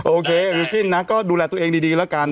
โอเคดูแลตัวเองดีแล้วกัน